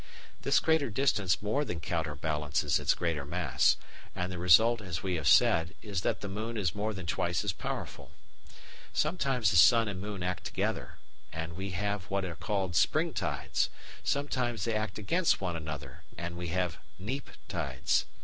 This greater distance more than counterbalances its greater mass, and the result, as we have said, is that the moon is more than twice as powerful. Sometimes the sun and moon act together, and we have what are called spring tides; sometimes they act against one another, and we have neap tides.